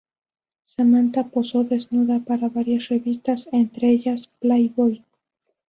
Samantha posó desnuda para varias revistas, entre ellas "Playboy".